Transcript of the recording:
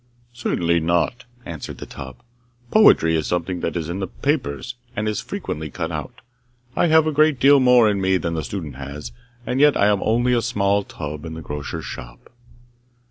'Certainly not!' answered the tub. 'Poetry is something that is in the papers, and that is frequently cut out. I have a great deal more in me than the student has, and yet I am only a small tub in the grocer's shop.